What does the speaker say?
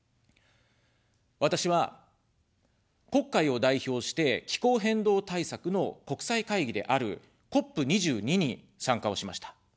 私は、国会を代表して、気候変動対策の国際会議であるＣＯＰ２２に参加をしました。